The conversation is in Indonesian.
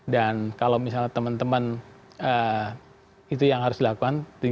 dan kalau misalnya teman teman itu yang harus dilakukan tinggal di bawah meja